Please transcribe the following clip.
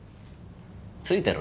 ついてる？